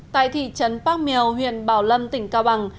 tại thị trấn park mèo huyện bảo lâm tỉnh cao bình